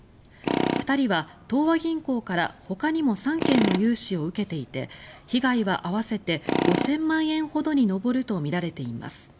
２人は東和銀行からほかにも３件の融資を受けていて被害は合わせて５０００万円ほどに上るとみられています。